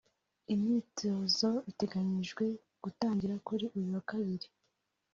Iyi myitozo iteganyijwe gutangira kuri uyu wa Kabiri